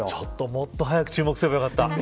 もっと早く注目すればよかった。